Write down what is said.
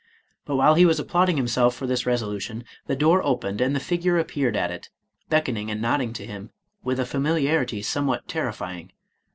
But while he was applauding himself for this resolution, the door opened, and the figure appeared at it, beckoning and nodding to him, with a familiarity somewhat terrify ing.